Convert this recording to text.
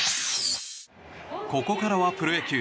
ここからはプロ野球。